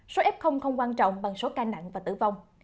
số f không quan trọng bằng số ca nặng và tử vong